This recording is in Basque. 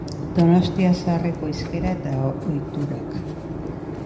Donostia zaharreko hizkera eta ohiturak.